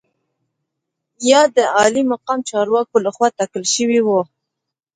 یا د عالي مقام چارواکو لخوا ټاکل شوي وو.